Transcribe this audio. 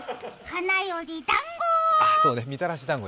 花よりだんご！